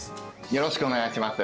よろしくお願いします